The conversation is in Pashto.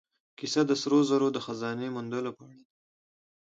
کیسه د سرو زرو د خزانه موندلو په اړه ده.